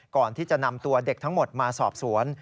ก่อนที่จะนำตัวเด็กทั้งหมดมาสอบสวน